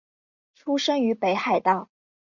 出身于北海道。